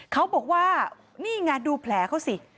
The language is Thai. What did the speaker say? เขาบอกว่านี่ไงดูแผลเขาสิ